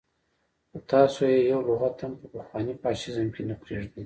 خو تاسو يې يو لغت هم په پخواني فاشيزم کې نه پرېږدئ.